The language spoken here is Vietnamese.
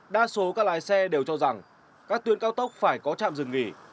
đa số các lái xe đều cho rằng các tuyến cao tốc phải có trạm dừng nghỉ